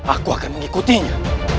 aku akan mengikutinya